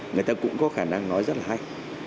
người ta cũng có khả năng nói rất là hay